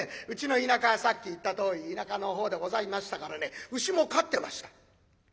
うちの田舎はさっき言ったとおり田舎の方でございましたからね牛も飼ってました。